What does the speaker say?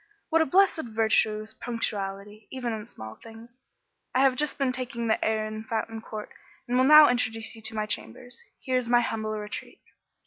"What a blessed virtue is punctuality, even in small things. I have just been taking the air in Fountain Court, and will now introduce you to my chambers. Here is my humble retreat."